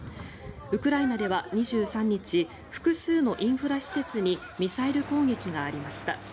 ウクライナでは２３日複数のインフラ施設にミサイル攻撃がありました。